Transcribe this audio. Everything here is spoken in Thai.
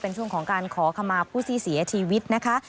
เป็นช่วงของการขอขมาผู้ที่เสียชีวิตนะคะ